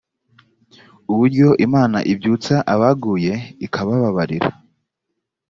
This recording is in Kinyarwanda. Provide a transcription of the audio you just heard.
uburyo imana ibyutsa abaguye ikababarira